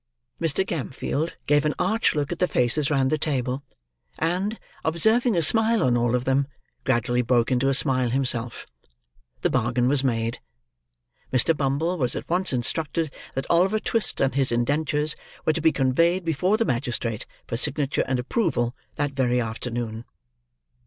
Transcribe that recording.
ha!" Mr. Gamfield gave an arch look at the faces round the table, and, observing a smile on all of them, gradually broke into a smile himself. The bargain was made. Mr. Bumble, was at once instructed that Oliver Twist and his indentures were to be conveyed before the magistrate, for signature and approval, that very afternoon.